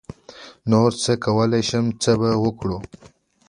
نـور څه کوی شم څه به وکړم.